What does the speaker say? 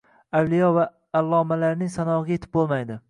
Avliyo va allomalarning sanog‘iga yetib bo‘lmaydi.